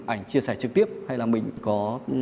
ảnh chia sẻ trực tiếp hay là mình có